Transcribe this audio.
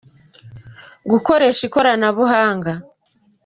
Gukoresha ikoranabuhanga.